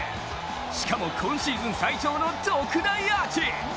しかも今シーズン最長の特大アーチ。